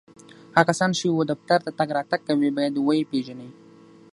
هغه کسان چي و دفتر ته تګ راتګ کوي ، باید و یې پېژني